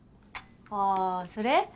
ああそれ？